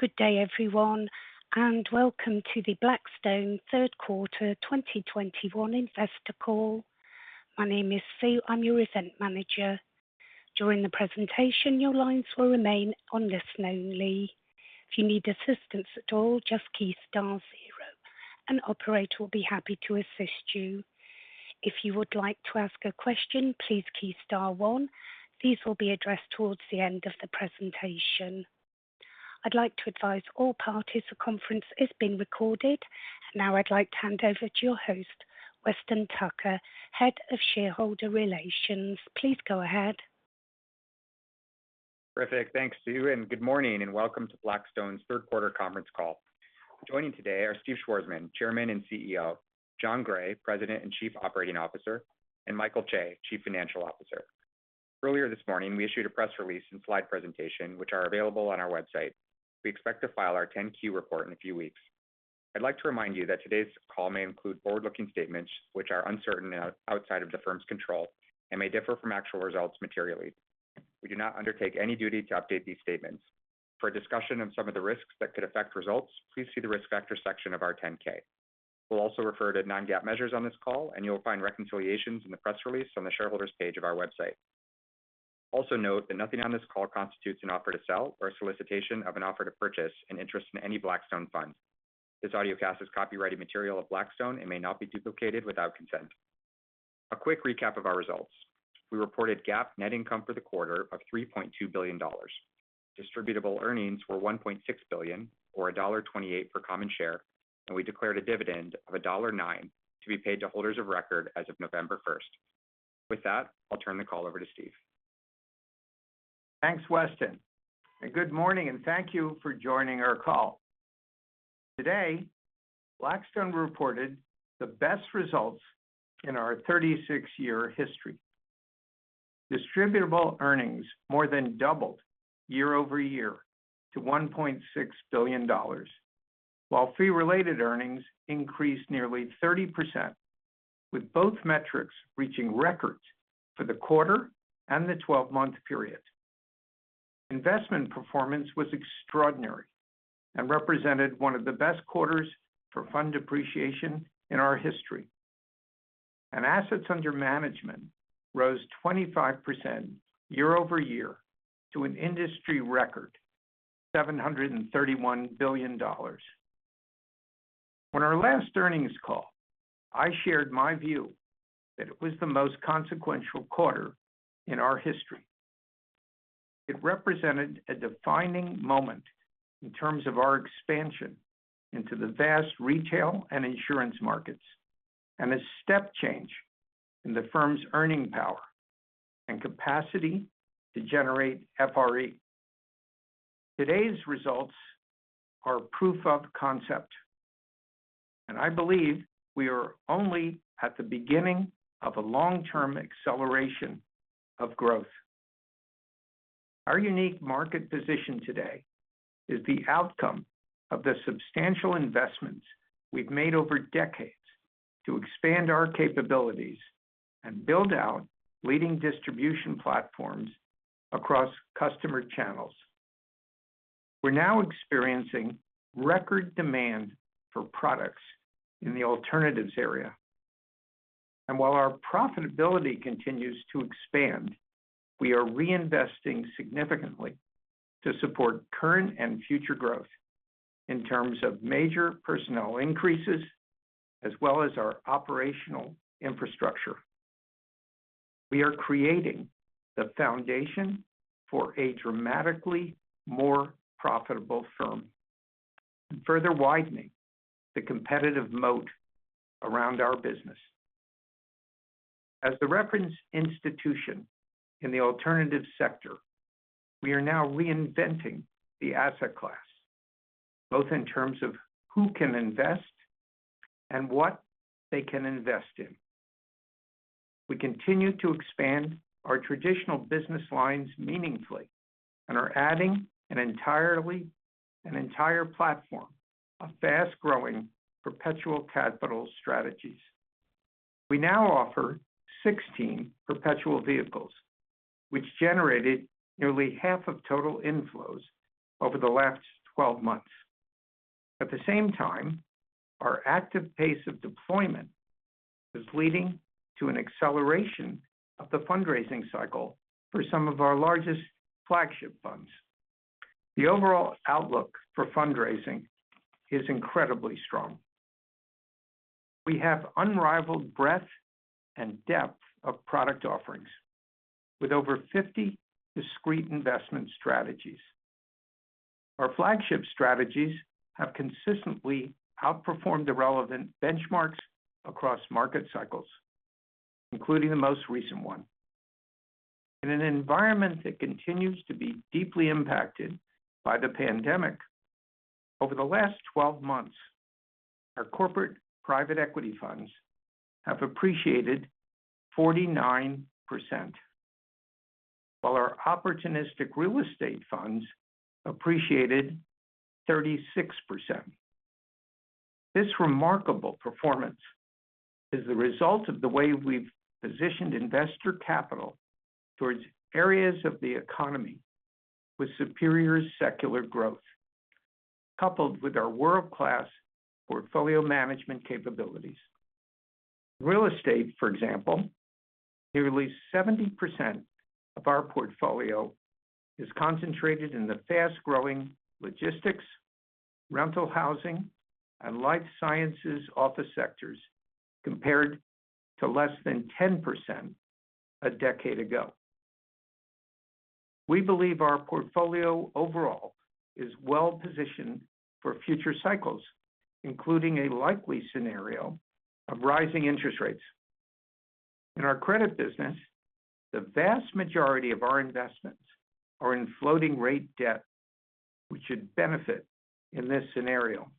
Good day, everyone. Welcome to the Blackstone Q3 2021 Investor Call. My name is Sue. I'm your event manager. During the presentation, your lines will remain on listen only. If you need assistance at all, just key star zero. An operator will be happy to assist you. If you would like to ask a question, please key star one. These will be addressed towards the end of the presentation. I'd like to advise all parties the conference is being recorded. Now I'd like to hand over to your host, Weston Tucker, Head of Shareholder Relations. Please go ahead. Terrific. Thanks, Sue, good morning, and welcome to Blackstone's Q3 conference call. Joining today are Steve Schwarzman, Chairman and CEO, Jon Gray, President and Chief Operating Officer, and Michael Chae, Chief Financial Officer. Earlier this morning, we issued a press release and slide presentation, which are available on our website. We expect to file our 10-Q report in a few weeks. I'd like to remind you that today's call may include forward-looking statements, which are uncertain and outside of the firm's control and may differ from actual results materially. We do not undertake any duty to update these statements. For a discussion of some of the risks that could affect results, please see the risk factor section of our 10-K. We'll also refer to non-GAAP measures on this call; you'll find reconciliations in the press release on the shareholders page of our website. Note that nothing on this call constitutes an offer to sell or a solicitation of an offer to purchase an interest in any Blackstone fund. This audiocast is copyrighted material of Blackstone and may not be duplicated without consent. A quick recap of our results. We reported GAAP net income for the quarter of $3.2 billion. Distributable earnings were $1.6 billion, or $1.28 for common share, and we declared a dividend of $1.09 to be paid to holders of record as of November 1st. With that, I'll turn the call over to Steve. Thanks, Weston, good morning, and thank you for joining our call. Today, Blackstone reported the best results in our 36-year history. Distributable earnings more than doubled year-over-year to $1.6 billion, while fee-related earnings increased nearly 30%, with both metrics reaching records for the quarter and the 12-month period. Investment performance was extraordinary and represented one of the best quarters for fund appreciation in our history. Assets under management rose 25% year-over-year to an industry record, $731 billion. On our last earnings call, I shared my view that it was the most consequential quarter in our history. It represented a defining moment in terms of our expansion into the vast retail and insurance markets, and a step change in the firm's earning power and capacity to generate FRE. Today's results are proof of concept, and I believe we are only at the beginning of a long-term acceleration of growth. Our unique market position today is the outcome of the substantial investments we've made over decades to expand our capabilities and build out leading distribution platforms across customer channels. We're now experiencing record demand for products in the alternatives area. While our profitability continues to expand, we are reinvesting significantly to support current and future growth in terms of major personnel increases, as well as our operational infrastructure. We are creating the foundation for a dramatically more profitable firm and further widening the competitive moat around our business. As the reference institution in the alternative sector, we are now reinventing the asset class, both in terms of who can invest and what they can invest in. We continue to expand our traditional business lines meaningfully and are adding an entire platform of fast-growing perpetual capital strategies. We now offer 16 perpetual vehicles, which generated nearly half of total inflows over the last 12 months. At the same time, our active pace of deployment is leading to an acceleration of the fundraising cycle for some of our largest flagship funds. The overall outlook for fundraising is incredibly strong. We have unrivaled breadth and depth of product offerings with over 50 discrete investment strategies. Our flagship strategies have consistently outperformed the relevant benchmarks across market cycles, including the most recent one. In an environment that continues to be deeply impacted by the pandemic, over the last 12 months, our corporate private equity funds have appreciated 49%, while our opportunistic real estate funds appreciated 36%. This remarkable performance is the result of the way we've positioned investor capital towards areas of the economy with superior secular growth, coupled with our world-class portfolio management capabilities. Real estate, for example, nearly 70% of our portfolio is concentrated in the fast-growing logistics, rental housing, and life sciences office sectors, compared to less than 10% a decade ago. We believe our portfolio overall is well-positioned for future cycles, including a likely scenario of rising interest rates. In our credit business, the vast majority of our investments are in floating rate debt, which should benefit in this scenario.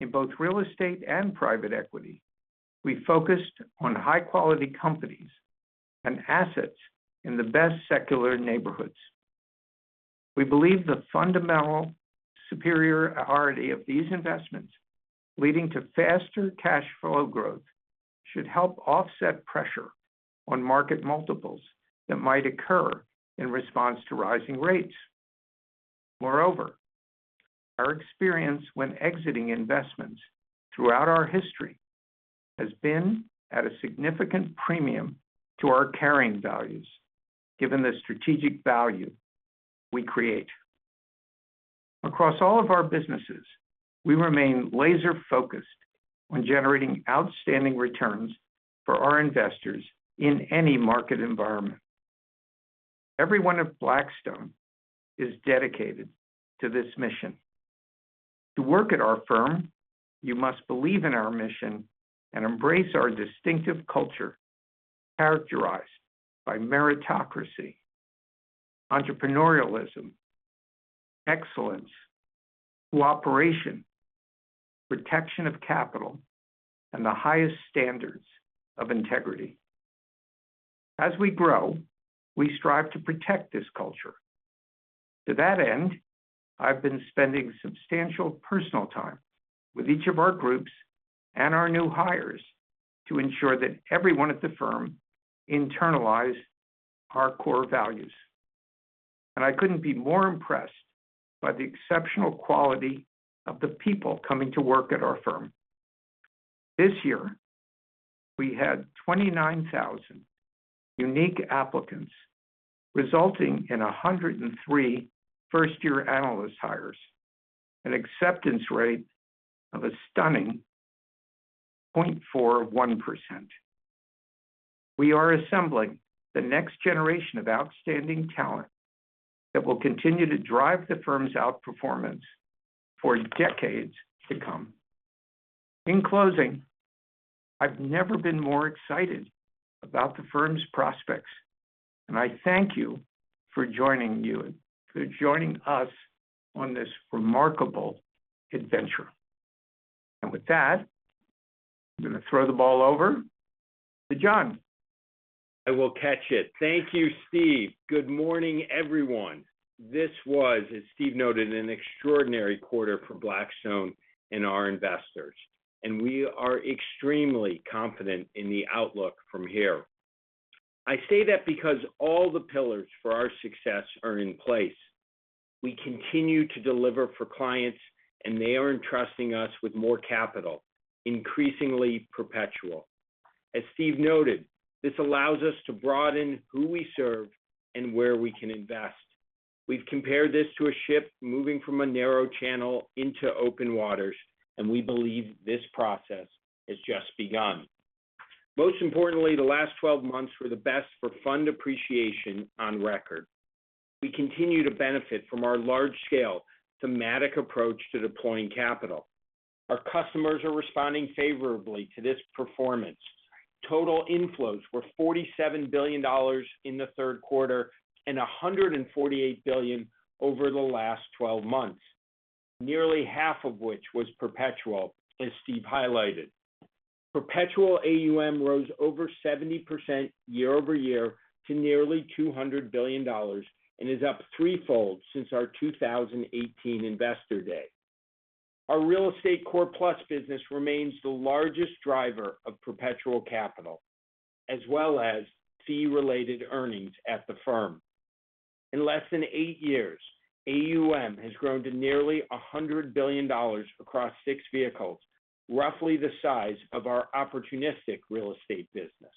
In both real estate and private equity, we focused on high-quality companies and assets in the best secular neighborhoods. We believe the fundamental superiority of these investments, leading to faster cash flow growth, should help offset pressure on market multiples that might occur in response to rising rates. Moreover, our experience when exiting investments throughout our history has been at a significant premium to our carrying values, given the strategic value we create. Across all of our businesses, we remain laser-focused on generating outstanding returns for our investors in any market environment. Everyone at Blackstone is dedicated to this mission. To work at our firm, you must believe in our mission and embrace our distinctive culture, characterized by meritocracy, entrepreneurialism, excellence, cooperation, protection of capital, and the highest standards of integrity. As we grow, we strive to protect this culture. To that end, I've been spending substantial personal time with each of our groups and our new hires to ensure that everyone at the firm internalize our core values. I couldn't be more impressed by the exceptional quality of the people coming to work at our firm. This year, we had 29,000 unique applicants, resulting in 103 first-year analyst hires, an acceptance rate of a stunning 0.41%. We are assembling the next generation of outstanding talent that will continue to drive the firm's outperformance for decades to come. In closing, I've never been more excited about the firm's prospects, and I thank you for joining us on this remarkable adventure. With that, I'm going to throw the ball over to Jon. I will catch it. Thank you, Steve. Good morning, everyone. This was, as Steve noted, an extraordinary quarter for Blackstone and our investors, and we are extremely confident in the outlook from here. I say that because all the pillars for our success are in place. We continue to deliver for clients, and they are entrusting us with more capital, increasingly perpetual. As Steve noted, this allows us to broaden who we serve and where we can invest. We've compared this to a ship moving from a narrow channel into open waters, and we believe this process has just begun. Most importantly, the last 12 months were the best for fund appreciation on record. We continue to benefit from our large-scale thematic approach to deploying capital. Our customers are responding favorably to this performance. Total inflows were $47 billion in the Q3, and $148 billion over the last 12 months, nearly half of which was perpetual, as Steve highlighted. Perpetual AUM rose over 70% year-over-year to nearly $200 billion and is up threefold since our 2018 investor day. Our Real Estate Core Plus business remains the largest driver of perpetual capital, as well as fee-related earnings at the firm. In less than eight years, AUM has grown to nearly $100 billion across six vehicles, roughly the size of our opportunistic real estate business.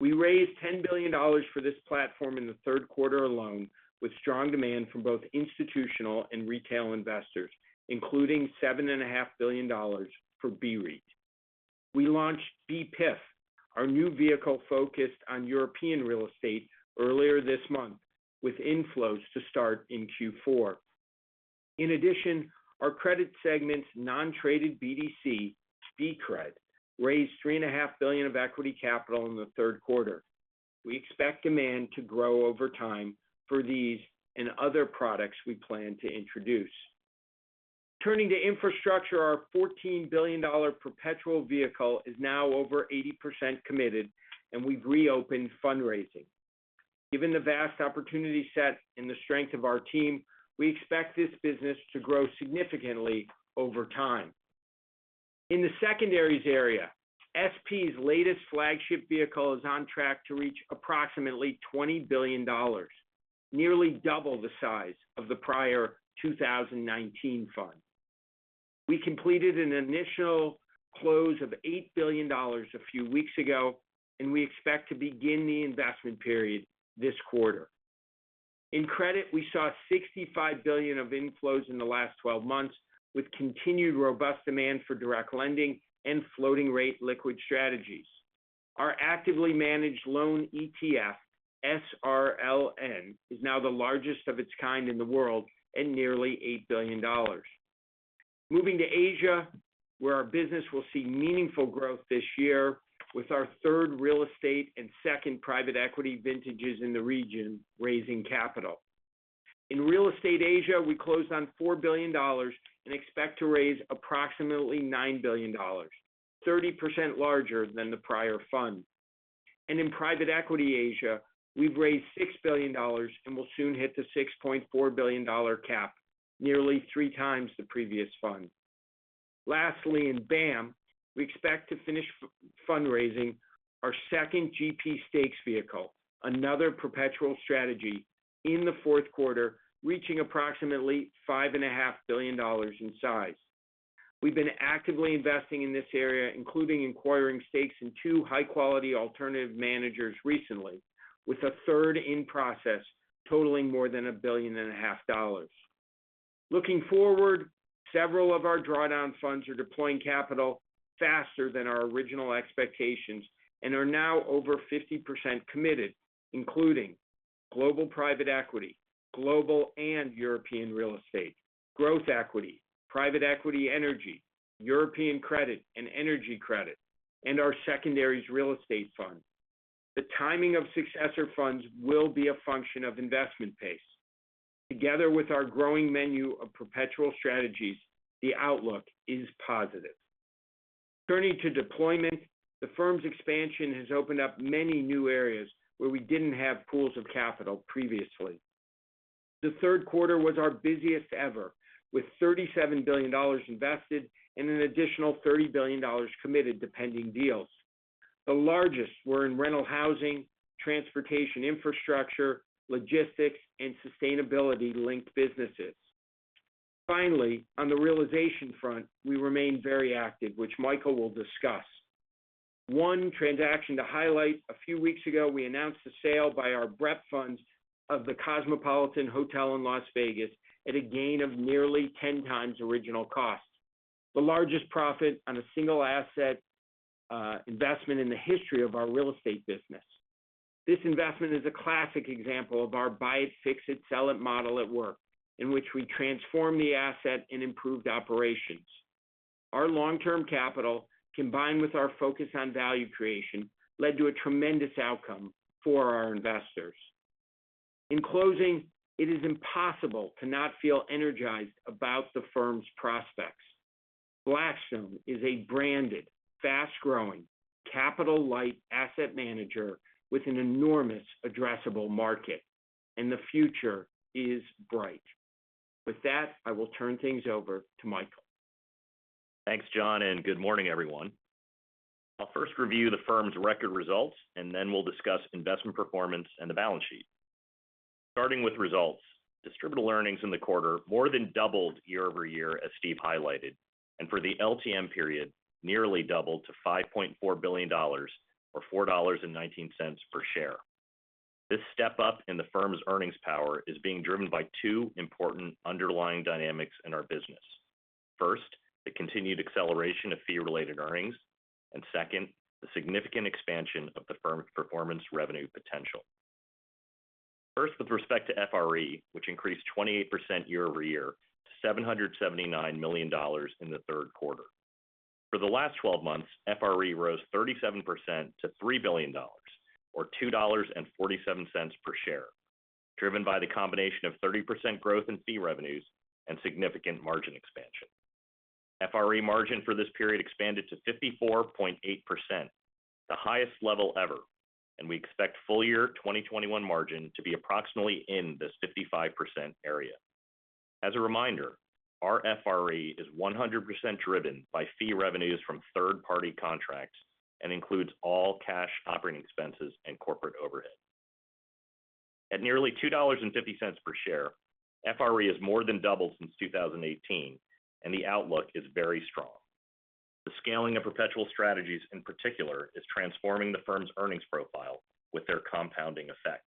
We raised $10 billion for this platform in the Q3 alone, with strong demand from both institutional and retail investors, including $7.5 billion for BREIT. We launched BEPIF, our new vehicle focused on European real estate, earlier this month, with inflows to start in Q4. In addition, our credit segment's non-traded BDC, BCRED, raised $3.5 billion of equity capital in the Q3. We expect demand to grow over time for these and other products we plan to introduce. Turning to infrastructure, our $14 billion perpetual vehicle is now over 80% committed, and we've reopened fundraising. Given the vast opportunity set and the strength of our team, we expect this business to grow significantly over time. In the secondaries area, SP's latest flagship vehicle is on track to reach approximately $20 billion, nearly double the size of the prior 2019 fund. We completed an initial close of $8 billion a few weeks ago, and we expect to begin the investment period this quarter. In credit, we saw $65 billion of inflows in the last 12 months, with continued robust demand for direct lending and floating rate liquid strategies. Our actively managed loan ETF, SRLN, is now the largest of its kind in the world at nearly $8 billion. Moving to Asia, where our business will see meaningful growth this year with our third real estate and 2nd private equity vintages in the region raising capital. In real estate Asia, we closed on $4 billion and expect to raise approximately $9 billion, 30% larger than the prior fund. In private equity Asia, we've raised $6 billion, and will soon hit the $6.4 billion cap, nearly three times the previous fund. Lastly, in BAAM, we expect to finish fundraising our second GP stakes vehicle, another perpetual strategy, in the Q4, reaching approximately $5.5 billion in size. We've been actively investing in this area, including acquiring stakes in two high-quality alternative managers recently, with a third in process totaling more than $1.5 billion. Looking forward, several of our drawdown funds are deploying capital faster than our original expectations and are now over 50% committed, including global private equity, global and European real estate, growth equity, private equity energy, European credit, and energy credit, and our secondaries real estate fund. The timing of successor funds will be a function of investment pace. Together with our growing menu of perpetual strategies, the outlook is positive. Turning to deployment, the firm's expansion has opened up many new areas where we didn't have pools of capital previously. The Q3 was our busiest ever, with $37 billion invested and an additional $30 billion committed to pending deals. The largest were in rental housing, transportation infrastructure, logistics, and sustainability-linked businesses. Finally, on the realization front, we remain very active, which Michael will discuss. One transaction to highlight, a few weeks ago we announced the sale by our BREP funds of The Cosmopolitan of Las Vegas at a gain of nearly 10 times original cost, the largest profit on a single asset investment in the history of our real estate business. This investment is a classic example of our buy it, fix it, sell it model at work, in which we transformed the asset and improved operations. Our long-term capital, combined with our focus on value creation, led to a tremendous outcome for our investors. In closing, it is impossible to not feel energized about the firm's prospects. Blackstone is a branded, fast-growing, capital-light asset manager with an enormous addressable market, the future is bright. With that, I will turn things over to Michael. Thanks, Jon. Good morning, everyone. I'll first review the firm's record results, and then we'll discuss investment performance and the balance sheet. Starting with results, distributable earnings in the quarter more than doubled year-over-year, as Steve highlighted, and for the LTM period, nearly doubled to $5.4 billion or $4.19 per share. This step up in the firm's earnings power is being driven by two important underlying dynamics in our business. First, the continued acceleration of fee-related earnings, and second, the significant expansion of the firm's performance revenue potential. First, with respect to FRE, which increased 28% year-over-year to $779 million in the Q3. For the last 12 months, FRE rose 37% to $3 billion, or $2.47 per share, driven by the combination of 30% growth in fee revenues and significant margin expansion. FRE margin for this period expanded to 54.8%, the highest level ever. We expect full year 2021 margin to be approximately in this 55% area. As a reminder, our FRE is 100% driven by fee revenues from third-party contracts and includes all cash operating expenses and corporate overhead. At nearly $2.50 per share, FRE has more than doubled since 2018. The outlook is very strong. The scaling of perpetual strategies in particular is transforming the firm's earnings profile with their compounding effect.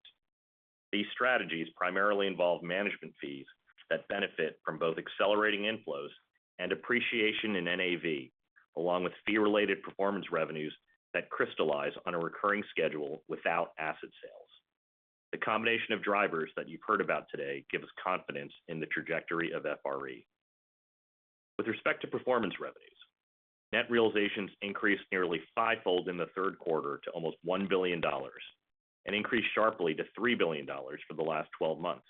These strategies primarily involve management fees that benefit from both accelerating inflows and appreciation in NAV, along with fee-related performance revenues that crystallize on a recurring schedule without asset sales. The combination of drivers that you've heard about today give us confidence in the trajectory of FRE. With respect to performance revenues, net realizations increased nearly fivefold in the Q3 to almost $1 billion and increased sharply to $3 billion for the last 12 months.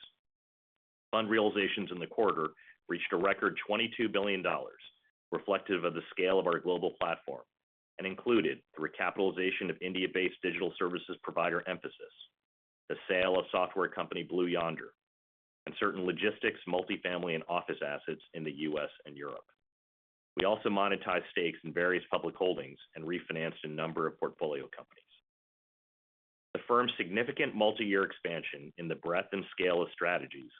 Fund realizations in the quarter reached a record $22 billion, reflective of the scale of our global platform, and included the recapitalization of India-based digital services provider Mphasis, the sale of software company Blue Yonder, and certain logistics, multifamily, and office assets in the U.S. and Europe. We also monetized stakes in various public holdings and refinanced a number of portfolio companies. The firm's significant multi-year expansion in the breadth and scale of strategies,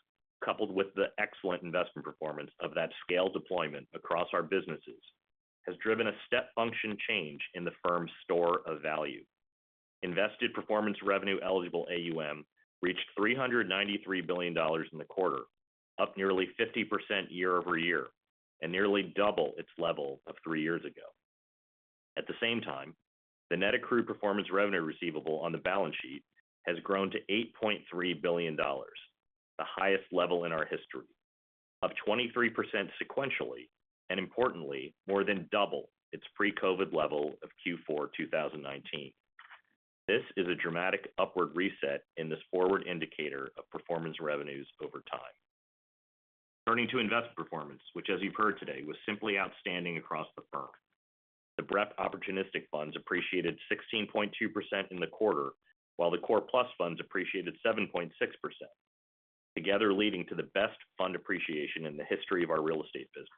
coupled with the excellent investment performance of that scale deployment across our businesses, has driven a step function change in the firm's store of value. Invested performance revenue eligible AUM reached $393 billion in the quarter, up nearly 50% year-over-year, and nearly double its level of three years ago. At the same time, the net accrued performance revenue receivable on the balance sheet has grown to $8.3 billion, the highest level in our history, up 23% sequentially, and importantly, more than double its pre-COVID level of Q4 2019. This is a dramatic upward reset in this forward indicator of performance revenues over time. Turning to invest performance, which as you've heard today, was simply outstanding across the firm. The BREP opportunistic funds appreciated 16.2% in the quarter, while the Core Plus funds appreciated 7.6%. Together leading to the best fund appreciation in the history of our real estate business.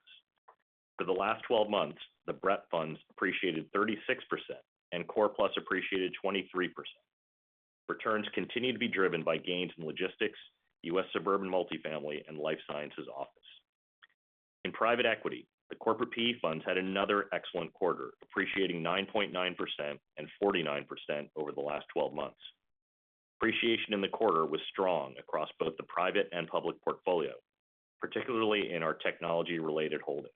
For the last 12 months, the BREP funds appreciated 36%, and Core Plus appreciated 23%. Returns continue to be driven by gains in logistics, U.S. suburban multifamily, and life sciences office. In private equity, the corporate PE funds had another excellent quarter, appreciating 9.9% and 49% over the last 12 months. Appreciation in the quarter was strong across both the private and public portfolio, particularly in our technology-related holdings.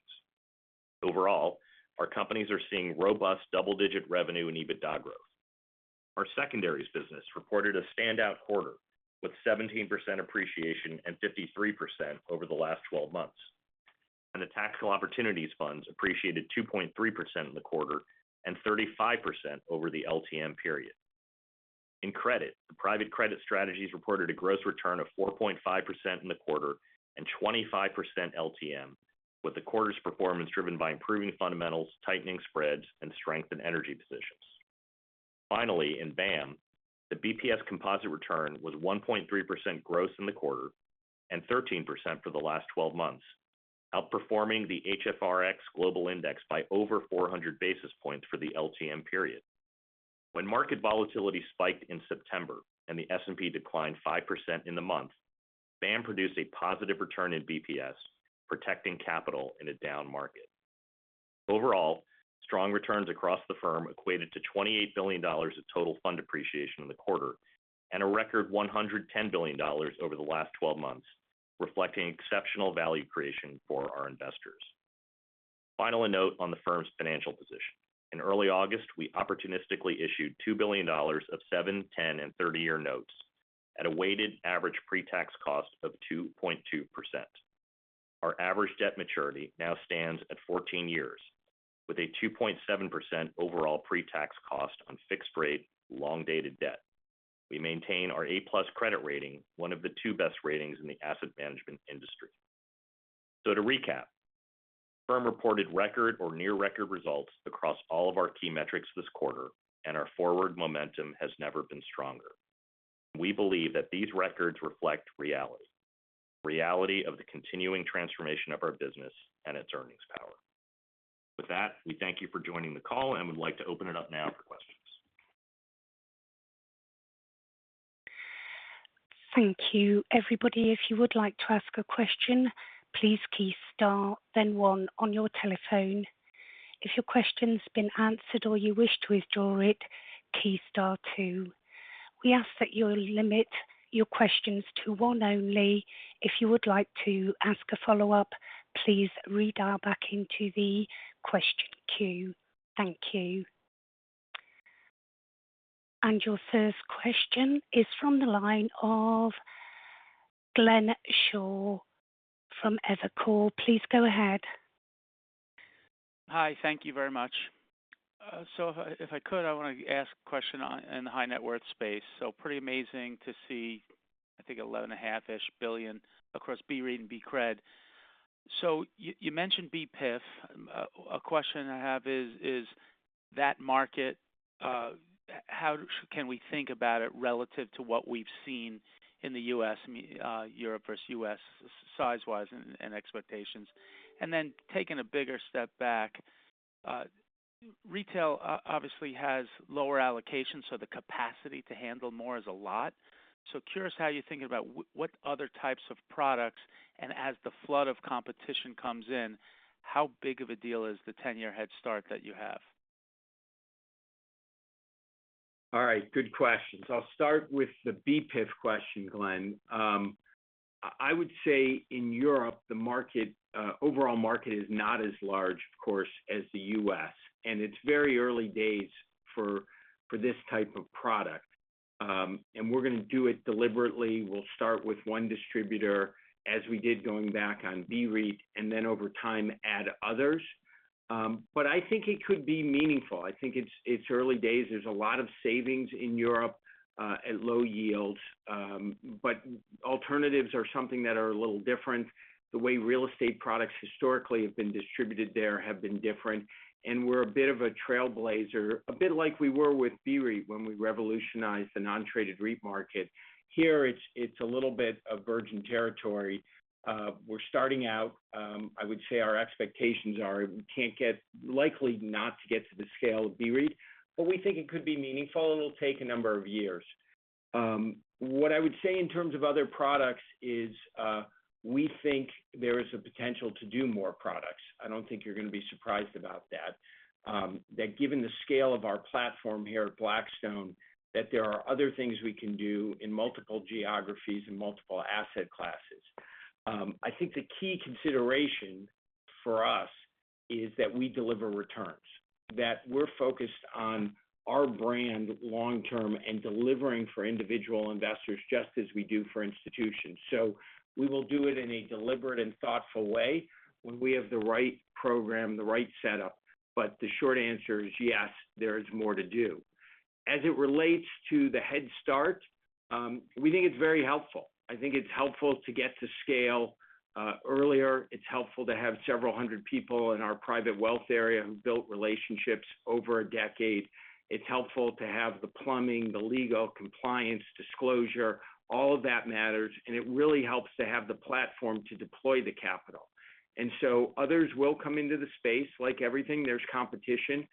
Overall, our companies are seeing robust double-digit revenue and EBITDA growth. Our secondaries business reported a standout quarter with 17% appreciation and 53% over the last 12 months. The Tactical Opportunities funds appreciated 2.3% in the quarter and 35% over the LTM period. In credit, the private credit strategies reported a gross return of 4.5% in the quarter and 25% LTM, with the quarter's performance driven by improving fundamentals, tightening spreads, and strength in energy positions. Finally, in BAAM, the BPS composite return was 1.3% gross in the quarter and 13% for the last 12 months, outperforming the HFRX Global Index by over 400 basis points for the LTM period. When market volatility spiked in September and the S&P declined 5% in the month, BAAM produced a positive return in BPS, protecting capital in a down market. Overall, strong returns across the firm equated to $28 billion of total fund appreciation in the quarter, and a record $110 billion over the last 12 months, reflecting exceptional value creation for our investors. Finally, a note on the firm's financial position. In early August, we opportunistically issued $2 billion of seven, 10, and 30-year notes at a weighted average pre-tax cost of 2.2%. Our average debt maturity now stands at 14 years, with a 2.7% overall pre-tax cost on fixed rate long-dated debt. We maintain our A+ credit rating, one of the two best ratings in the asset management industry. To recap, the firm reported record or near record results across all of our key metrics this quarter, and our forward momentum has never been stronger. We believe that these records reflect reality. Reality of the continuing transformation of our business and its earnings power. With that, we thank you for joining the call and would like to open it up now for questions. Thank you. Everybody, if you would like to ask a question, please key star then one on your telephone. If your question's been answered or you wish to withdraw it, key star two. We ask that you limit your questions to one only. If you would like to ask a follow-up, please redial back into the question queue. Thank you. Your first question is from the line of Glenn Schorr from Evercore. Please go ahead. Hi. Thank you very much. If I could, I want to ask a question in the high net worth space. Pretty amazing to see, I think, $11.5-ish billion across BREIT and BCRED. You mentioned BPIF. A question I have is, that market, how can we think about it relative to what we've seen in the U.S., Europe versus U.S., size-wise and expectations? Then taking a bigger step back, retail obviously has lower allocation, so the capacity to handle more is a lot. Curious how you're thinking about what other types of products, and as the flood of competition comes in, how big of a deal is the 10-year head start that you have? All right. Good questions. I'll start with the BPIF question, Glenn. I would say in Europe, the overall market is not as large, of course, as the U.S., and it's very early days for this type of product. We're going to do it deliberately. We'll start with one distributor, as we did going back on BREIT, and then over time add others. I think it could be meaningful. I think it's early days. There's a lot of savings in Europe at low yields. Alternatives are something that are a little different. The way real estate products historically have been distributed there have been different, and we're a bit of a trailblazer, a bit like we were with BREIT when we revolutionized the non-traded REIT market. Here, it's a little bit of virgin territory. We're starting out. I would say our expectations are we can't get, likely not to get to the scale of BREIT, but we think it could be meaningful, and it'll take a number of years. What I would say in terms of other products is we think there is a potential to do more products. I don't think you're going to be surprised about that. Given the scale of our platform here at Blackstone, there are other things we can do in multiple geographies and multiple asset classes. I think the key consideration for us is that we deliver returns. We're focused on our brand long-term and delivering for individual investors just as we do for institutions. We will do it in a deliberate and thoughtful way when we have the right program, the right setup. The short answer is yes, there is more to do. As it relates to the head start, we think it's very helpful. I think it's helpful to get to scale earlier. It's helpful to have several 100 people in our private wealth area who built relationships over a decade. It's helpful to have the plumbing, the legal compliance, disclosure, all of those matters, and it really helps to have the platform to deploy the capital. Others will come into the space. Like everything, there's competition,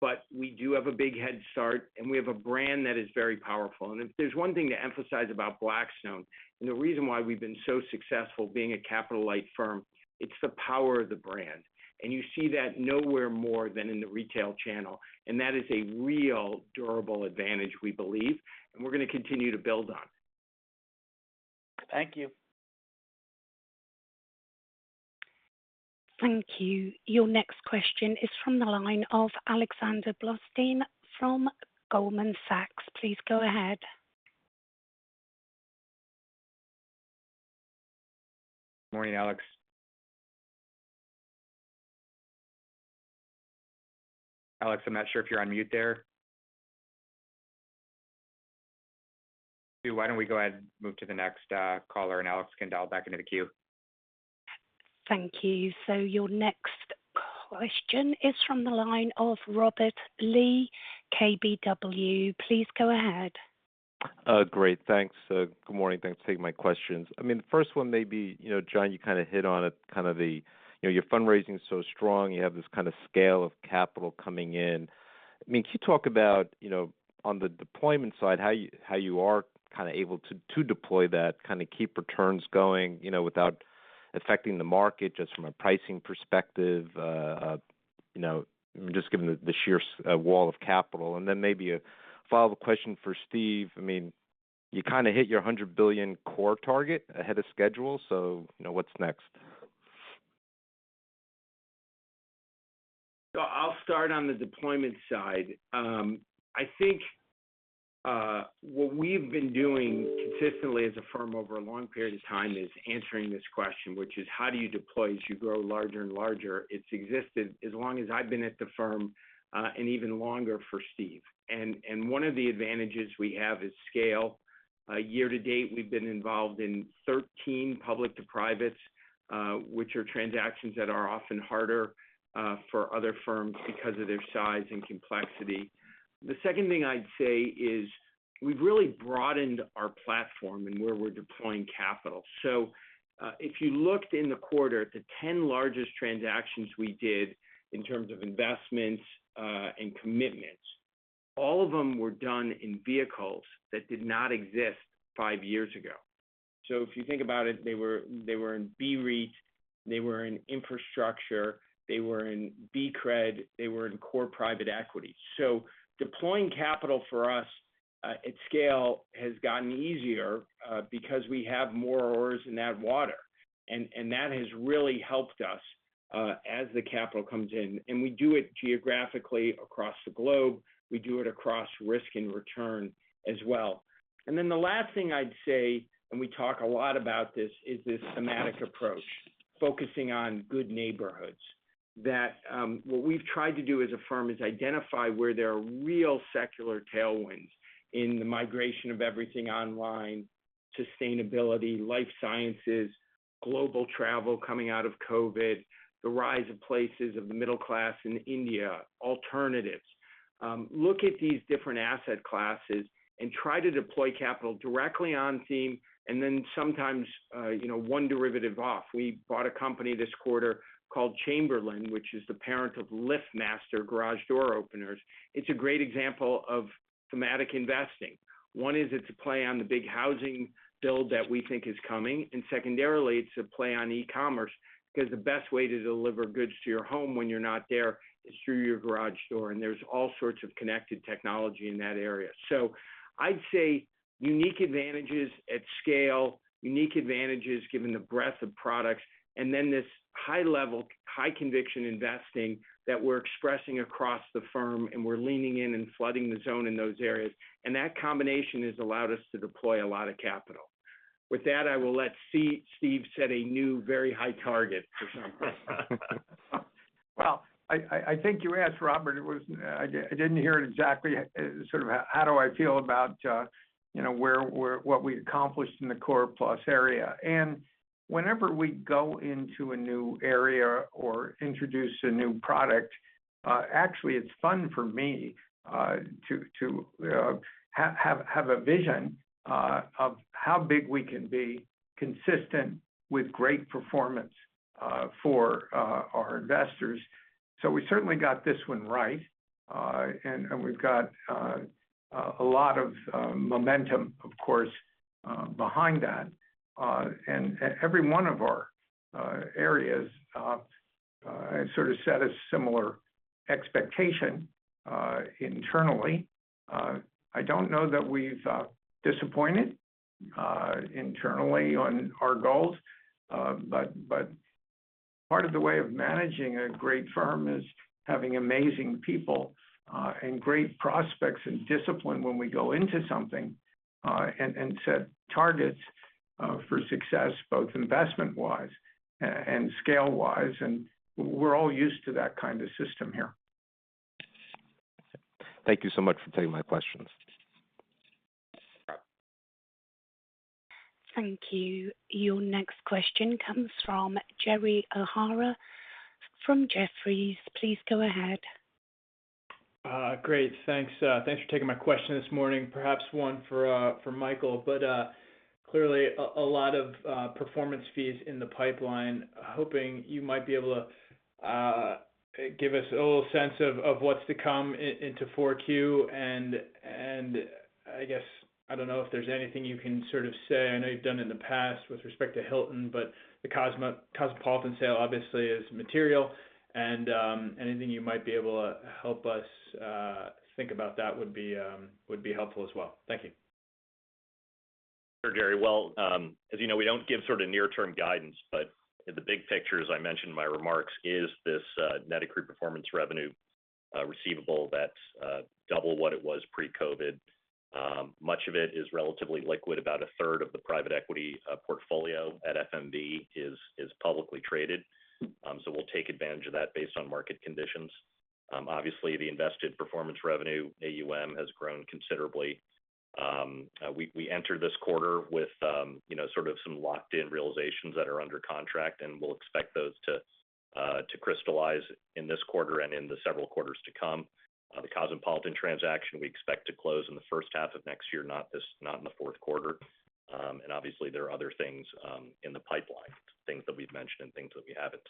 but we do have a big head start, and we have a brand that is very powerful. If there's one thing to emphasize about Blackstone, and the reason why we've been so successful being a capital-light firm, it's the power of the brand. You see that nowhere more than in the retail channel. That is a real durable advantage, we believe, and we're going to continue to build on. Thank you. Thank you. Your next question is from the line of Alexander Blostein from Goldman Sachs. Please go ahead. Morning, Alex. Alex, I'm not sure if you're on mute there. Steve, why don't we go ahead and move to the next caller, and Alex can dial back into the queue. Thank you. Your next question is from the line of Robert Lee, KBW. Please go ahead. Great. Thanks. Good morning. Thanks for taking my questions. The first one may be, Jon, you hit on it, your fundraising's so strong, you have this scale of capital coming in. Can you talk about, on the deployment side, how you are able to deploy that, keep returns going, without affecting the market, just from a pricing perspective just given the sheer wall of capital. Then maybe a follow-up question for Steve. You hit your $100 billion core target ahead of schedule. What's next? I'll start on the deployment side. I think what we've been doing consistently as a firm over a long period of time is answering this question, which is how do you deploy as you grow larger and larger? It's existed as long as I've been at the firm, and even longer for Steve. One of the advantages we have is scale. Year to date, we've been involved in 13 public to privates, which are transactions that are often harder for other firms because of their size and complexity. The second thing I'd say is we've really broadened our platform and where we're deploying capital. If you looked in the quarter at the 10 largest transactions we did in terms of investments, and commitments, all of them were done in vehicles that did not exist five years ago. If you think about it, they were in BREIT, they were in infrastructure, they were in BCRED, they were in core private equity. Deploying capital for us at scale has gotten easier because we have more oars in that water, and that has really helped us as the capital comes in. We do it geographically across the globe. We do it across risk and return as well. Then the last thing I'd say, and we talk a lot about this, is this thematic approach, focusing on good neighborhoods. What we've tried to do as a firm is identify where there are real secular tailwinds in the migration of everything online, sustainability, life sciences, global travel coming out of COVID, the rise of places of the middle class in India, alternatives. Look at these different asset classes and try to deploy capital directly on theme and then sometimes one derivative off. We bought a company this quarter called Chamberlain, which is the parent of LiftMaster garage door openers. It's a great example of thematic investing. One is it's a play on the big housing build that we think is coming, and secondarily, it's a play on e-commerce because the best way to deliver goods to your home when you're not there is through your garage door, and there's all sorts of connected technology in that area. I'd say unique advantages at scale, unique advantages given the breadth of products, and then this high-level, high-conviction investing that we're expressing across the firm, and we're leaning in and flooding the zone in those areas. That combination has allowed us to deploy a lot of capital. With that, I will let Steve set a new, very high target for some. Well, I think you asked, Robert, I didn't hear it exactly, how do I feel about what we accomplished in the Core Plus area. Whenever we go into a new area or introduce a new product, actually, it's fun for me to have a vision of how big we can be consistent with great performance for our investors. We certainly got this one right. We've got a lot of momentum, of course, behind that. Every one of our areas set a similar expectation internally. I don't know that we've disappointed internally on our goals. Part of the way of managing a great firm is having amazing people, and great prospects, and discipline when we go into something, and set targets for success, both investment-wise and scale-wise, and we're all used to that kind of system here. Thank you so much for taking my questions. Thank you. Your next question comes from Gerald O'Hara from Jefferies. Please go ahead. Great. Thanks for taking my question this morning. Perhaps one for Michael Chae. Clearly, a lot of performance fees in the pipeline. Hoping you might be able to give us a little sense of what's to come into Q4. I guess, I don't know if there's anything you can sort of say. I know you've done it in the past with respect to Hilton. The Cosmopolitan sale obviously is material. Anything you might be able to help us think about that would be helpful as well. Thank you. Sure, Gerald O'Hara. Well, as you know, we don't give sort of near-term guidance, but the big picture, as I mentioned in my remarks, is this net accrued performance revenue receivable that's double what it was pre-COVID. Much of it is relatively liquid. About a third of the private equity portfolio at FMV is publicly traded. We'll take advantage of that based on market conditions. Obviously, the invested performance revenue AUM has grown considerably. We entered this quarter with sort of some locked-in realizations that are under contract, and we'll expect those to crystallize in this quarter and in the several quarters to come. The Cosmopolitan transaction, we expect to close in the H1 of next year, not in the Q4. Obviously, there are other things in the pipeline, things that we've mentioned and things that we haven't.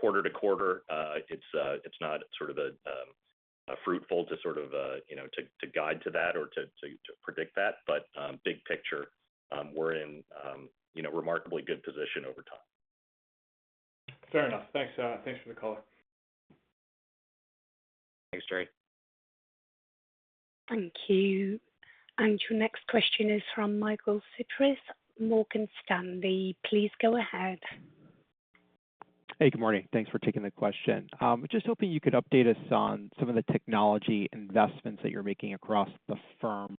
Quarter-to-quarter, it's not sort of fruitful to guide to that or to predict that. Big picture, we're in a remarkably good position over time. Fair enough. Thanks for the call. Thanks, Gerald O'Hara. Thank you. Your next question is from Michael Cyprys, Morgan Stanley. Please go ahead. Hey, good morning. Thanks for taking the question. Just hoping you could update us on some of the technology investments that you're making across the firm.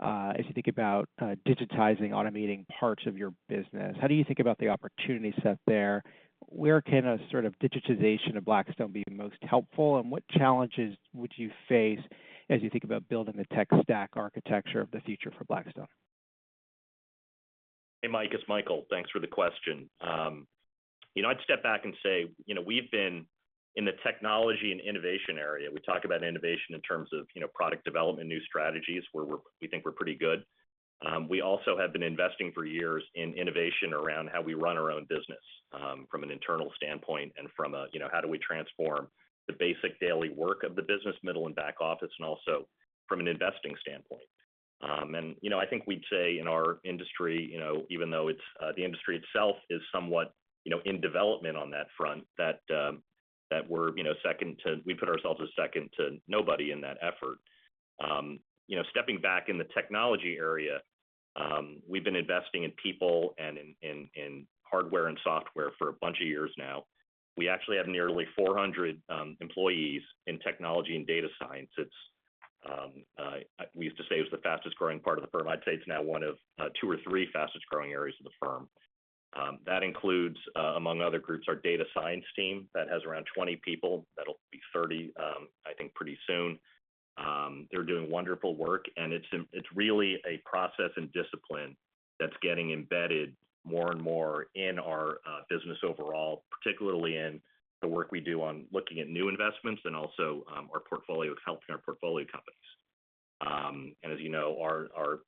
As you think about digitizing, automating parts of your business, how do you think about the opportunity set there? Where can a sort of digitization of Blackstone be most helpful, and what challenges would you face as you think about building the tech stack architecture of the future for Blackstone? Hey, Mike, it's Michael. Thanks for the question. I'd step back and say, we've been in the technology and innovation area. We talk about innovation in terms of product development, new strategies, where we think we're pretty good. We also have been investing for years in innovation around how we run our own business from an internal standpoint and from a how do we transform the basic daily work of the business middle and back office, and also from an investing standpoint. I think we'd say in our industry, even though the industry itself is somewhat in development on that front, that we put ourselves as second to nobody in that effort. Stepping back in the technology area, we've been investing in people and in hardware and software for a bunch of years now. We actually have nearly 400 employees in technology and data science. We used to say it was the fastest-growing part of the firm. I'd say it's now one of two or three fastest-growing areas of the firm. That includes, among other groups, our data science team that has around 20 people. That'll be 30, I think, pretty soon. They're doing wonderful work, and it's really a process and discipline that's getting embedded more and more in our business overall, particularly in the work we do on looking at new investments and also our portfolio, helping our portfolio companies. As you know, our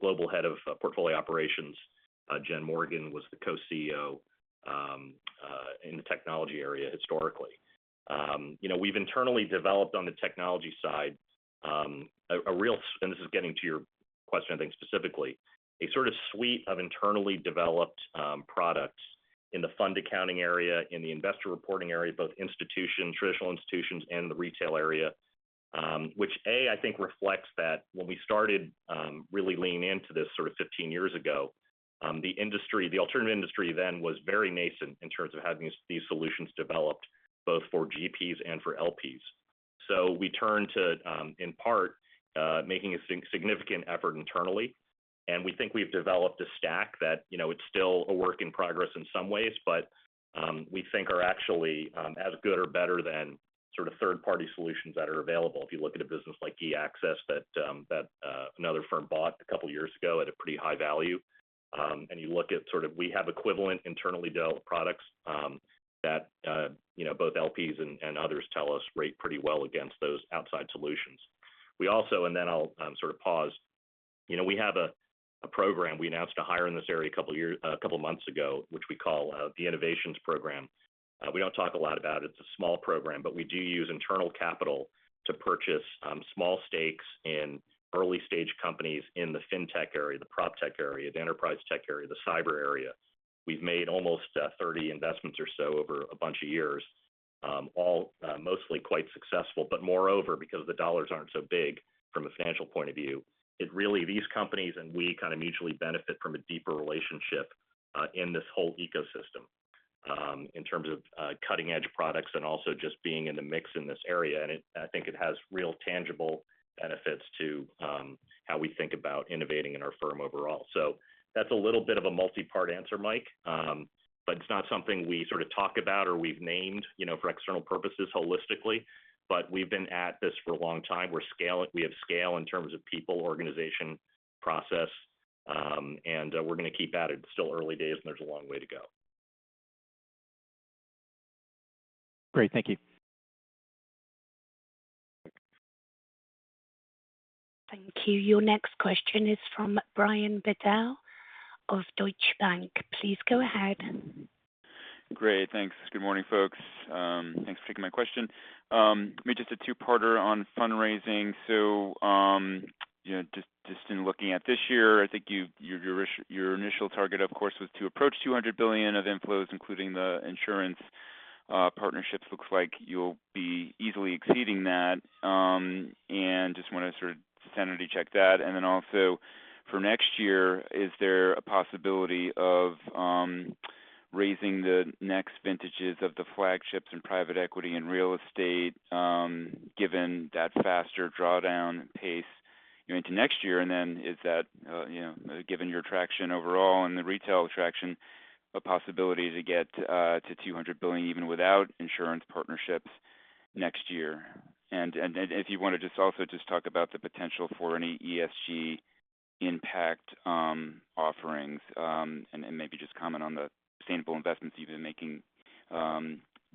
global head of portfolio operations, Jennifer Morgan, was the co-CEO in the technology area historically. We've internally developed on the technology side, and this is getting to your question, I think, specifically, a sort of suite of internally developed products in the fund accounting area, in the investor reporting area, both traditional institutions and the retail area. Which, A, I think reflects that when we started really leaning into this sort of 15 years ago, the alternative industry then was very nascent in terms of having these solutions developed both for GPs and for LPs. We turn to, in part, making a significant effort internally, and we think we've developed a stack that it's still a work in progress in some ways, but we think are actually as good or better than third-party solutions that are available. If you look at a business like eAccess that another firm bought a couple years ago at a pretty high value, and you look at we have equivalent internally developed products that both LPs and others tell us rate pretty well against those outside solutions. We also, and then I'll pause. We have a program we announced to hire in this area a couple of months ago, which we call the Innovations Program. We don't talk a lot about it. It's a small program, but we do use internal capital to purchase small stakes in early-stage companies in the Fintech area, the Proptech area, the enterprise tech area, the cyber area. We've made almost 30 investments or so over a bunch of years, all mostly quite successful. Moreover, because the dollars aren't so big from a financial point of view, these companies and we mutually benefit from a deeper relationship, in this whole ecosystem, in terms of cutting-edge products and also just being in the mix in this area. I think it has real tangible benefits to how we think about innovating in our firm overall. That's a little bit of a multi-part answer, Michael Chae. It's not something we talk about or we've named for external purposes holistically. We've been at this for a long time. We have scale in terms of people, organization, process, and we're going to keep at it. It's still early days, and there's a long way to go. Great. Thank you. Thank you. Your next question is from Brian Bedell of Deutsche Bank. Please go ahead. Great. Thanks. Good morning, folks. Thanks for taking my question. Let me just a two-parter on fundraising. Just in looking at this year, I think your initial target, of course, was to approach $200 billion of inflows, including the insurance partnerships. Looks like you'll be easily exceeding that. Just want to sort of sanity check that. Also for next year, is there a possibility of raising the next vintages of the flagships in private equity and real estate, given that faster drawdown pace going into next year? Is that, given your traction overall and the retail traction, a possibility to get to $200 billion even without insurance partnerships next year? If you want to just also just talk about the potential for any ESG impact offerings, and maybe just comment on the sustainable investments you've been making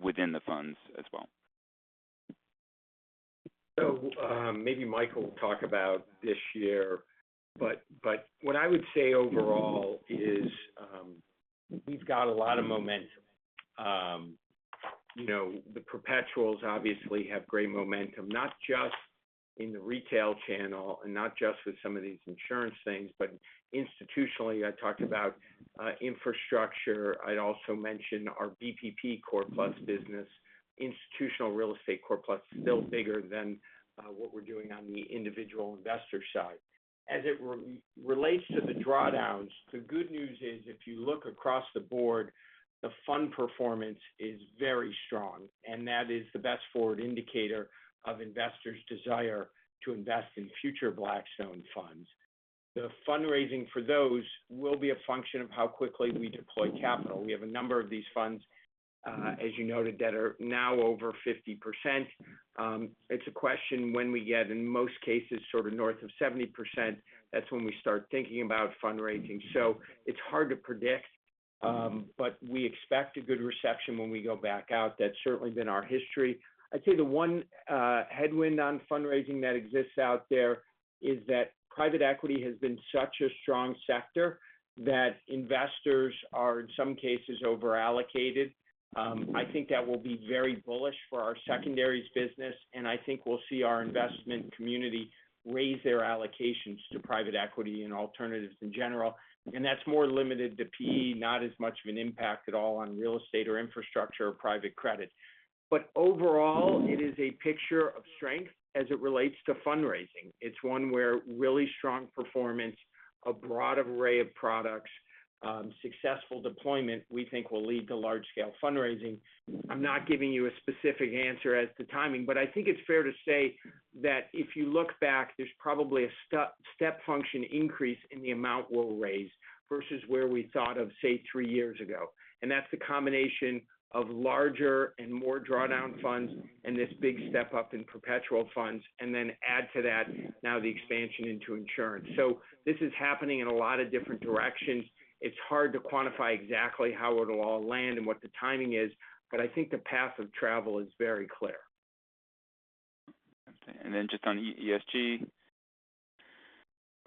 within the funds as well. Maybe Mike will talk about this year, but what I would say overall is we've got a lot of momentum. The perpetuals obviously have great momentum, not just in the retail channel and not just with some of these insurance things, but institutionally. I talked about infrastructure. I'd also mention our BPP core+ business, institutional real estate core+, still bigger than what we're doing on the individual investor side. As it relates to the drawdowns, the good news is if you look across the board, the fund performance is very strong, and that is the best forward indicator of investors' desire to invest in future Blackstone funds. The fundraising for those will be a function of how quickly we deploy capital. We have a number of these funds, as you noted, that are now over 50%. It's a question when we get, in most cases, north of 70%, that's when we start thinking about fundraising. It's hard to predict, but we expect a good reception when we go back out. That's certainly been our history. I'd say the one headwind on fundraising that exists out there is that private equity has been such a strong sector that investors are, in some cases, over-allocated. I think that will be very bullish for our secondaries business, and I think we'll see our investment community raise their allocations to private equity and alternatives in general. That's more limited to PE, not as much of an impact at all on real estate or infrastructure or private credit. Overall, it is a picture of strength as it relates to fundraising. It's one where really strong performance, a broad array of products, successful deployment, we think will lead to large-scale fundraising. I'm not giving you a specific answer as to timing, but I think it's fair to say that if you look back, there's probably a step function increase in the amount we'll raise versus where we thought of, say, three years ago. That's the combination of larger and more drawdown funds and this big step up in perpetual funds, and then add to that now the expansion into insurance. This is happening in a lot of different directions. It's hard to quantify exactly how it'll all land and what the timing is, but I think the path of travel is very clear. Just on ESG.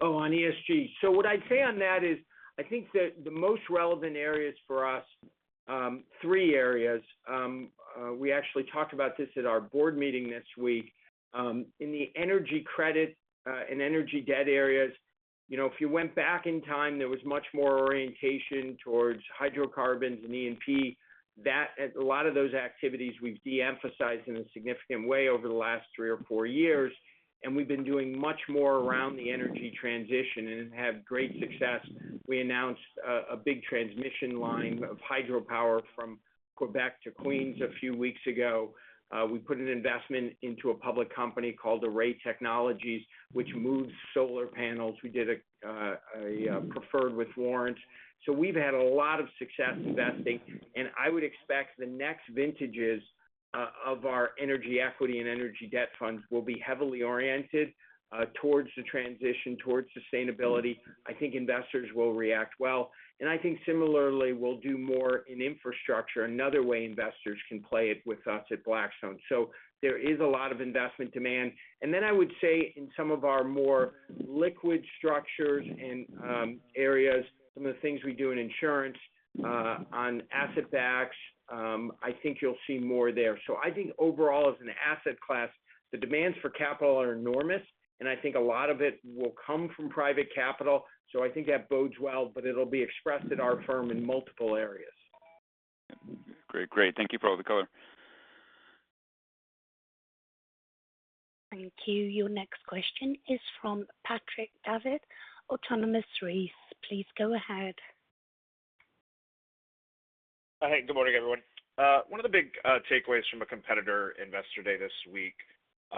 On ESG. What I'd say on that is, I think that the most relevant areas for us, three areas. We actually talked about this at our board meeting this week. In the energy credit and energy debt areas, if you went back in time, there was much more orientation towards hydrocarbons and E&P. A lot of those activities we've de-emphasized in a significant way over the last three or four years, and we've been doing much more around the energy transition and have had great success. We announced a big transmission line of hydropower from. Quebec to Queens a few weeks ago. We put an investment into a public company called Array Technologies, which moves solar panels. We did a preferred with warrants. We've had a lot of success investing, and I would expect the next vintages of our energy equity and energy debt funds will be heavily oriented towards the transition towards sustainability. I think investors will react well, and I think similarly, we'll do more in infrastructure, another way investors can play it with us at Blackstone. There is a lot of investment demand. I would say in some of our more liquid structures and areas, some of the things we do in insurance, on asset backs, I think you'll see more there. I think overall as an asset class, the demands for capital are enormous, and I think a lot of it will come from private capital. I think that bodes well, but it'll be expressed at our firm in multiple areas. Great. Thank you for all the color. Thank you. Your next question is from Patrick Davitt, Autonomous Research. Please go ahead. Hi, good morning, everyone. One of the big takeaways from a competitor investor day this week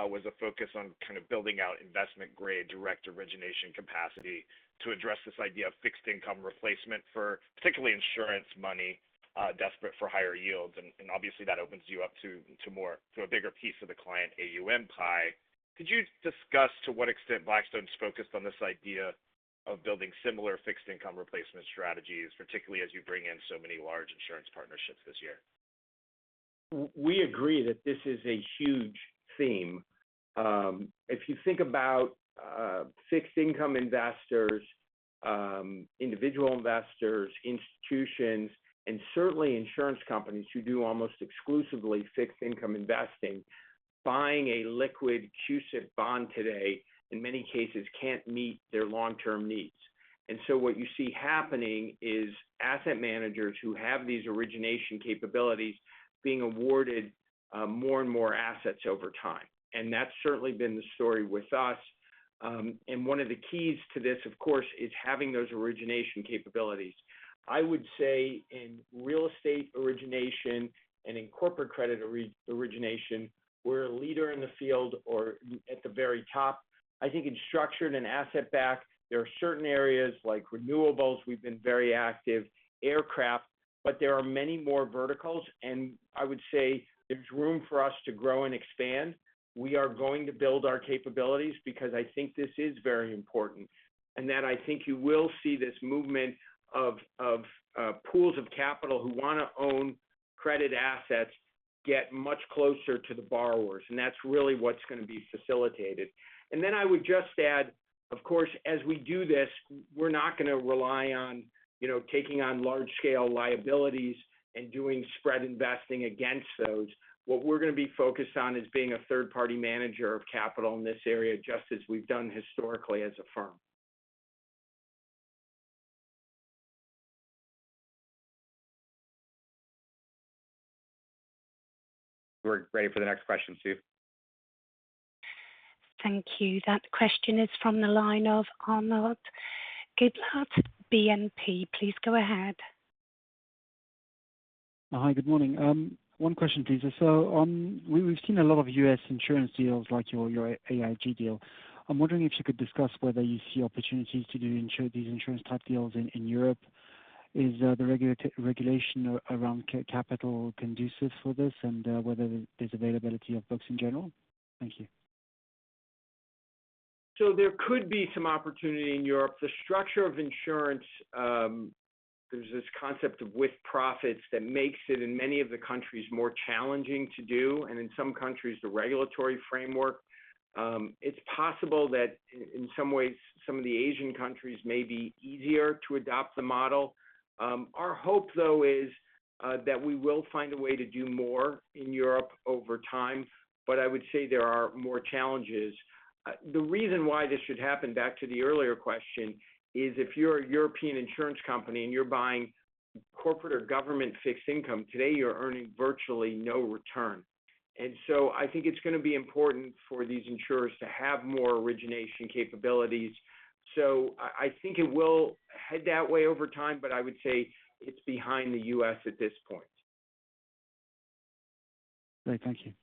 was a focus on kind of building out investment-grade, direct origination capacity to address this idea of fixed income replacement for particularly insurance money, desperate for higher yields. Obviously, that opens you up to a bigger piece of the client AUM pie. Could you discuss to what extent Blackstone's focused on this idea of building similar fixed income replacement strategies, particularly as you bring in so many large insurance partnerships this year? We agree that this is a huge theme. If you think about fixed income investors, individual investors, institutions, and certainly insurance companies who do almost exclusively fixed income investing, buying a liquid CUSIP bond today, in many cases, can't meet their long-term needs. What you see happening is asset managers who have these origination capabilities being awarded more and more assets over time. That's certainly been the story with us. One of the keys to this, of course, is having those origination capabilities. I would say in real estate origination and in corporate credit origination, we're a leader in the field or at the very top. I think in structured and asset-backed, there are certain areas like renewables, we've been very active, aircraft, but there are many more verticals, and I would say there's room for us to grow and expand. We are going to build our capabilities because I think this is very important. That I think you will see this movement of pools of capital who want to own credit assets get much closer to the borrowers, and that's really what's going to be facilitated. Then I would just add, of course, as we do this, we're not going to rely on taking on large-scale liabilities and doing spread investing against those. What we're going to be focused on is being a third-party manager of capital in this area, just as we've done historically as a firm. We're ready for the next question, Sue. Thank you. That question is from the line of Arnaud Giblat, BNP. Please go ahead. Hi, good morning. One question, please. We've seen a lot of U.S. insurance deals like your AIG deal. I'm wondering if you could discuss whether you see opportunities to do these insurance type deals in Europe. Is the regulation around capital conducive for this, and whether there's availability of books in general? Thank you. There could be some opportunity in Europe. The structure of insurance, there's this concept of with profits that makes it, in many of the countries, more challenging to do, and in some countries, the regulatory framework. It's possible that in some ways, some of the Asian countries may be easier to adopt the model. Our hope, though, is that we will find a way to do more in Europe over time. I would say there are more challenges. The reason why this should happen, back to the earlier question, is if you're a European insurance company and you're buying corporate or government fixed income, today you're earning virtually no return. I think it's going to be important for these insurers to have more origination capabilities. I think it will head that way over time, but I would say it's behind the U.S. at this point. Great. Thank you.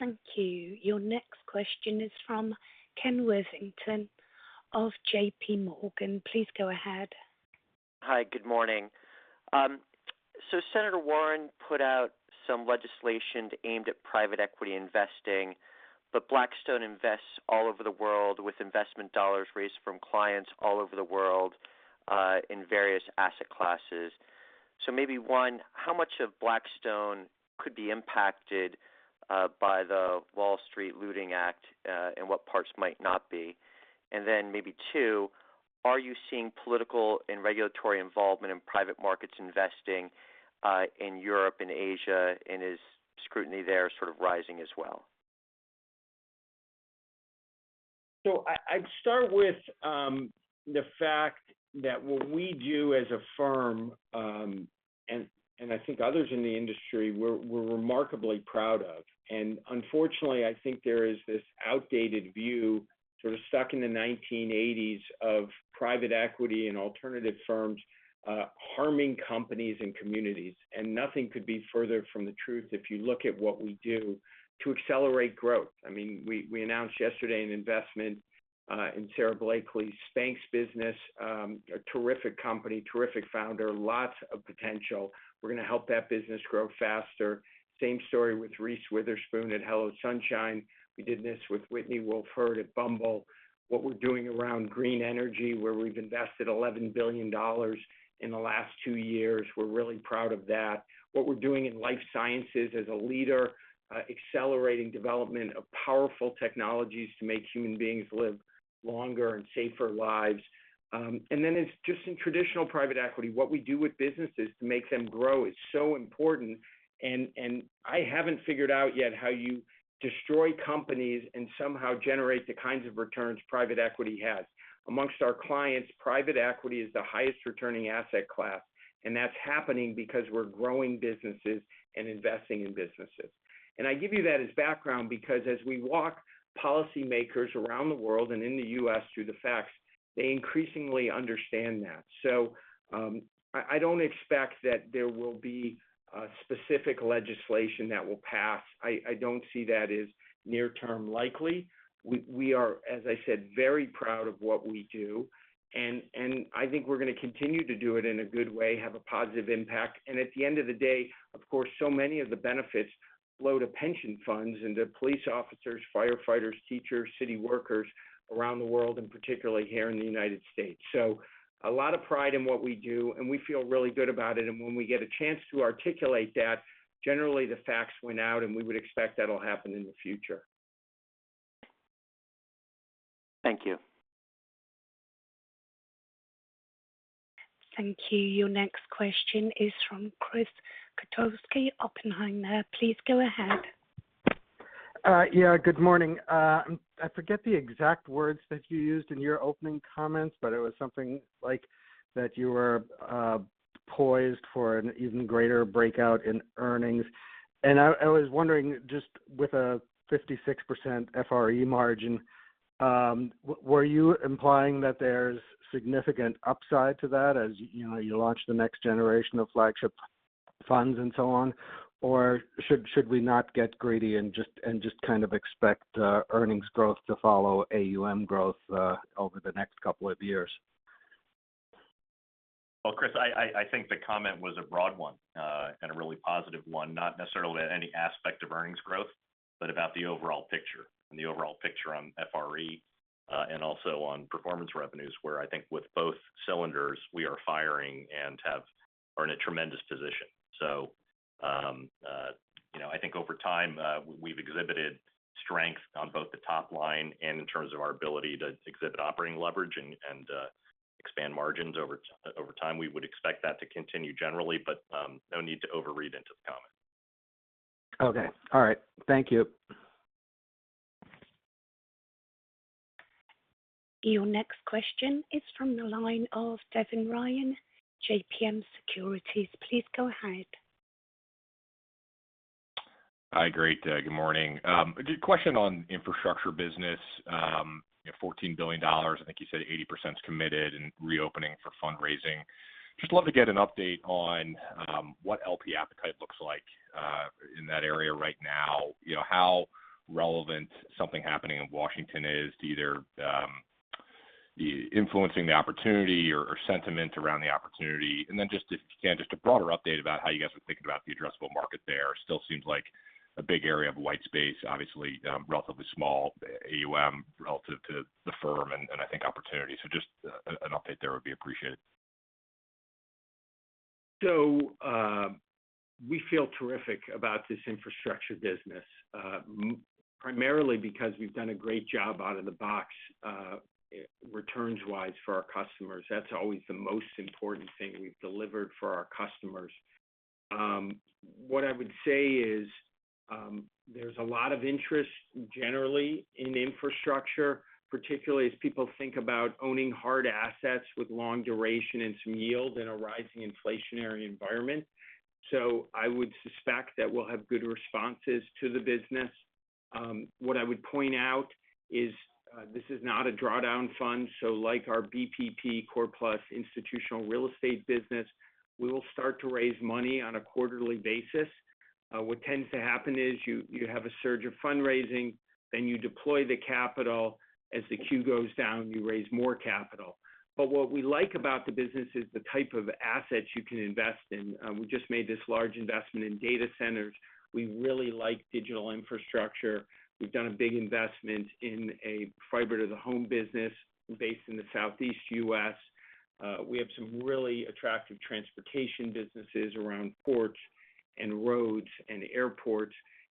Thank you. Your next question is from Kenneth Worthington of J.P. Morgan. Please go ahead. Hi, good morning. Senator Warren put out some legislation aimed at private equity investing, but Blackstone invests all over the world with investment dollars raised from clients all over the world in various asset classes. Maybe one, how much of Blackstone could be impacted by the Wall Street Looting Act, and what parts might not be? Maybe two, are you seeing political and regulatory involvement in private markets investing in Europe and Asia, and is scrutiny there sort of rising as well? I'd start with the fact that what we do as a firm and I think others in the industry we're remarkably proud of. Unfortunately, I think there is this outdated view, sort of stuck in the 1980s of private equity and alternative firms harming companies and communities. Nothing could be further from the truth if you look at what we do to accelerate growth. We announced yesterday an investment in Sara Blakely's Spanx business, a terrific company, terrific founder, lots of potential. We're going to help that business grow faster. Same story with Reese Witherspoon at Hello Sunshine. We did this with Whitney Wolfe Herd at Bumble. What we're doing around green energy, where we've invested $11 billion in the last two years, we're really proud of that. What we're doing in life sciences as a leader, accelerating development of powerful technologies to make human beings live longer and safer lives. Then it's just in traditional private equity, what we do with businesses to make them grow is so important. I haven't figured out yet how you destroy companies and somehow generate the kinds of returns private equity has. Amongst our clients, private equity is the highest returning asset class, and that's happening because we're growing businesses and investing in businesses. I give you that as background because as we walk policymakers around the world and in the U.S. through the facts, they increasingly understand that. I don't expect that there will be specific legislation that will pass. I don't see that as near-term likely. We are, as I said, very proud of what we do, and I think we're going to continue to do it in a good way, have a positive impact. At the end of the day, of course, so many of the benefits flow to pension funds and to police officers, firefighters, teachers, city workers around the world, and particularly here in the U.S. A lot of pride in what we do, and we feel really good about it. When we get a chance to articulate that, generally the facts win out, and we would expect that'll happen in the future. Thank you. Thank you. Your next question is from Chris Kotowski, Oppenheimer. Please go ahead. Good morning. I forget the exact words that you used in your opening comments, but it was something like that you were poised for an even greater breakout in earnings. I was wondering, just with a 56% FRE margin, were you implying that there's significant upside to that as you launch the next generation of flagship funds and so on? Should we not get greedy and just kind of expect earnings growth to follow AUM growth over the next couple of years? Chris, I think the comment was a broad one, and a really positive one, not necessarily about any aspect of earnings growth, but about the overall picture. The overall picture on FRE, and also on performance revenues, where I think with both cylinders, we are firing and are in a tremendous position. I think over time, we've exhibited strength on both the top line and in terms of our ability to exhibit operating leverage and expand margins over time. We would expect that to continue generally, but no need to overread into the comment. Okay. All right. Thank you. Your next question is from the line of Devin Ryan, JMP Securities. Please go ahead. Hi. Great. Good morning. Question on infrastructure business. $14 billion. I think you said 80%'s committed and reopening for fundraising. Just love to get an update on what LP appetite looks like in that area right now. How relevant something happening in Washington is to either influencing the opportunity or sentiment around the opportunity. Just if you can, just a broader update about how you guys are thinking about the addressable market there. Still seems like a big area of white space, obviously, relatively small AUM relative to the firm and I think opportunity. Just an update there would be appreciated. We feel terrific about this infrastructure business, primarily because we've done a great job out of the box returns-wise for our customers. That's always the most important thing we've delivered for our customers. I would say is there's a lot of interest generally in infrastructure, particularly as people think about owning hard assets with long duration and some yield in a rising inflationary environment. I would suspect that we'll have good responses to the business. I would point out is this is not a drawdown fund, so like our BPP Core Plus institutional real estate business, we will start to raise money on a quarterly basis. Tends to happen is you have a surge of fundraising, then you deploy the capital. As the queue goes down, you raise more capital. What we like about the business is the type of assets you can invest in. We just made this large investment in data centers. We really like digital infrastructure. We've done a big investment in a fiber-to-the-home business based in the Southeast U.S. We have some really attractive transportation businesses around ports and roads and airports.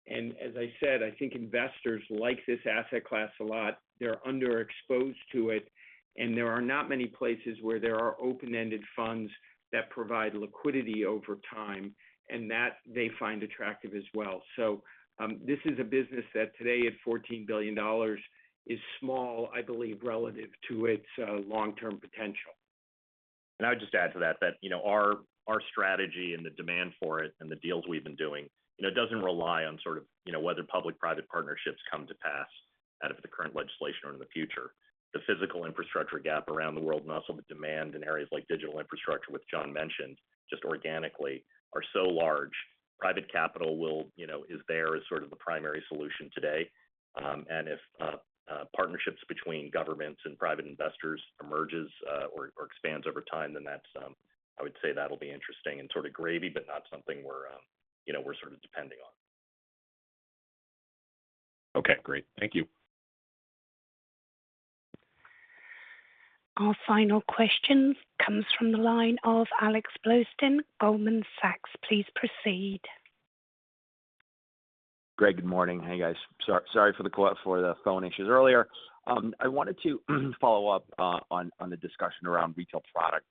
As I said, I think investors like this asset class a lot. They're underexposed to it, and there are not many places where there are open-ended funds that provide liquidity over time, and that they find attractive as well. This is a business that today at $14 billion, is small, I believe, relative to its long-term potential. I would just add to that our strategy and the demand for it and the deals we've been doing, doesn't rely on whether public-private partnerships come to pass out of the current legislation or in the future. The physical infrastructure gap around the world and also the demand in areas like digital infrastructure, which Jon mentioned, just organically are so large. Private capital is there as sort of the primary solution today. If partnerships between governments and private investors emerges or expands over time, then I would say that'll be interesting and sort of gravy, but not something we're sort of depending on, Okay, great. Thank you. Our final question comes from the line of Alexander Blostein, Goldman Sachs. Please proceed. Greg, good morning. Hey, guys. Sorry for the phone issues earlier. I wanted to follow up on the discussion around retail product,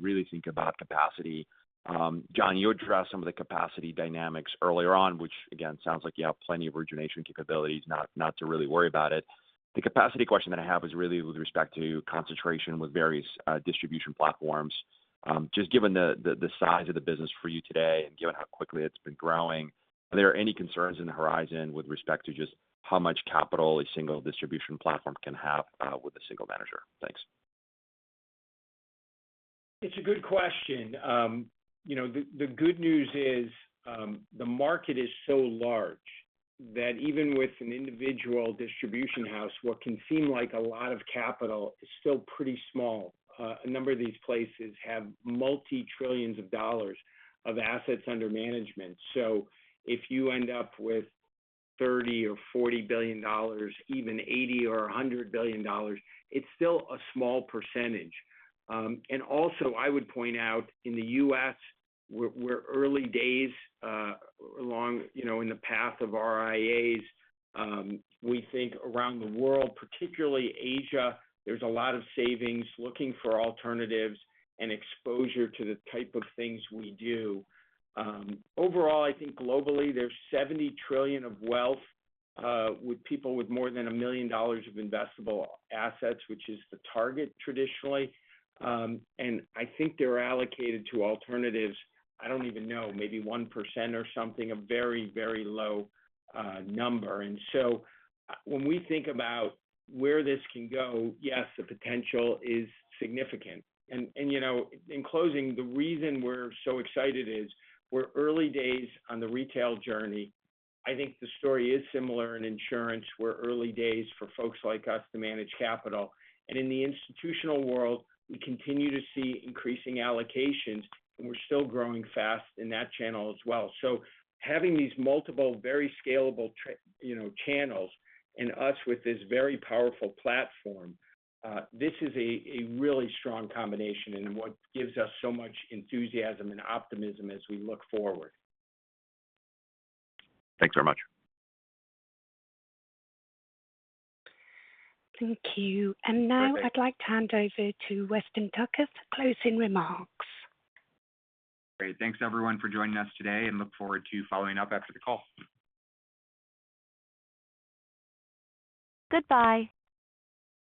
really think about capacity. Jon, you addressed some of the capacity dynamics earlier on, which again, sounds like you have plenty of origination capabilities, not to really worry about it. The capacity question that I have is really with respect to concentration with various distribution platforms. Just given the size of the business for you today and given how quickly it's been growing, are there any concerns in the horizon with respect to just how much capital a single distribution platform can have with a single manager? Thanks. It's a good question. The good news is, the market is so large that even with an individual distribution house, what can seem like a lot of capital is still pretty small. A number of these places have multi-trillions of dollars of assets under management. If you end up with $30 billion or $40 billion, even $80 billion or $100 billion, it's still a small percentage. I would point out in the U.S., we're early days along in the path of RIAs. We think around the world, particularly Asia, there's a lot of savings, looking for alternatives and exposure to the type of things we do. Overall, I think globally, there's $70 trillion of wealth, with people with more than $1 million of investable assets, which is the target traditionally, I think they're allocated to alternatives, I don't even know, maybe 1% or something, a very low number. When we think about where this can go, yes, the potential is significant. In closing, the reason we're so excited is we're early days on the retail journey. I think the story is similar in insurance. We're early days for folks like us to manage capital. In the institutional world, we continue to see increasing allocations, and we're still growing fast in that channel as well. Having these multiple, very scalable channels and us with this very powerful platform, this is a really strong combination and what gives us so much enthusiasm and optimism as we look forward. Thanks very much. Thank you. Now I'd like to hand over to Weston Tucker for closing remarks. Great. Thanks everyone for joining us today and look forward to following up after the call. Goodbye